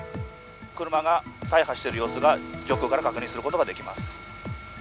車が大破している様子が、上空から確認することができます。